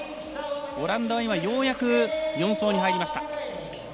オランダはようやく４走に入りました。